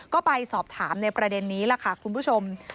ก็ไปสอบถามในประเด็นนี้ล่ะค่ะคุณผู้ชม